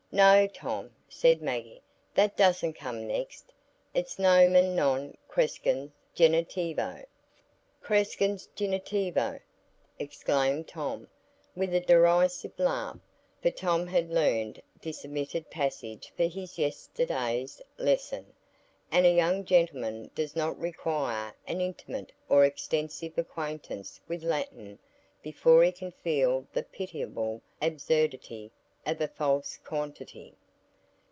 "No, Tom," said Maggie, "that doesn't come next. It's Nomen non creskens genittivo——" "Creskens genittivo!" exclaimed Tom, with a derisive laugh, for Tom had learned this omitted passage for his yesterday's lesson, and a young gentleman does not require an intimate or extensive acquaintance with Latin before he can feel the pitiable absurdity of a false quantity.